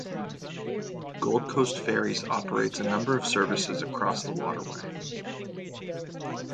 Gold Coast Ferries operates a number of services across the waterway.